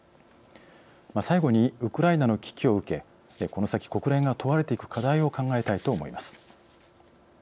最後に、ウクライナの危機を受けこの先国連が問われていく課題を考えたいと思います。